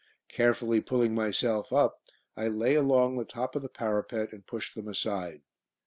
Carefully pulling myself up, I lay along the top of the parapet and pushed them aside.